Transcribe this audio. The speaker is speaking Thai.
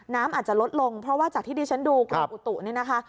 น้ำอาจจะลดลงเพราะว่าจากที่ดิฉันดูกรมอุตุนี่นะคะ